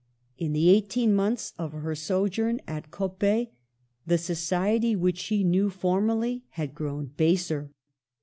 In the eighteen months of her sojourn at Coppet, the society which she knew formerly had grown baser.